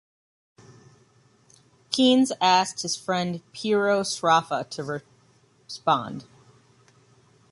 Keynes asked his friend Piero Sraffa to respond.